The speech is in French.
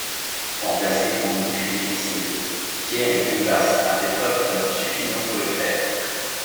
Remplacer Andy fut difficile, Jerry Rivas a fait preuve talents suffisants pour le faire.